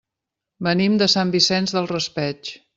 Venim de Sant Vicent del Raspeig.